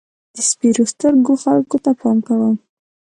د سپېرو سترګو خلکو ته پام کوه.